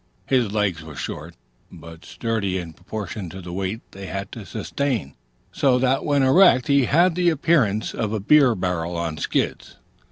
His legs were short, but sturdy in proportion to the weight they had to sustain; so that when erect he had not a little the appearance of a beer barrel on skids.